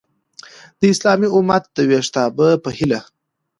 د اسلامي امت د ویښتابه په هیله!